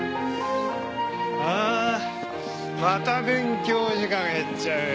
ああまた勉強時間減っちゃうよ。